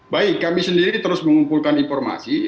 baik kami sendiri terus mengumpulkan informasi